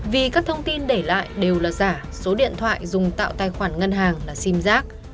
vì các thông tin để lại đều là giả số điện thoại dùng tạo tài khoản ngân hàng là sim giác